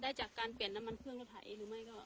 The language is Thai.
ได้จากการเปลี่ยนน้ำมันเครื่องรถไถ